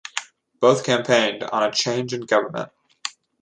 Both campaigned on a change in government.